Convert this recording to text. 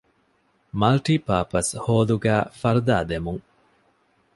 މަލްޓި ޕާޕަސް ހޯލުގައި ފަރުދާ ދެމުން